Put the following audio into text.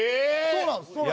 そうなんです。